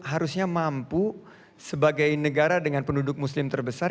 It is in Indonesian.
harusnya mampu sebagai negara dengan penduduk muslim terbesar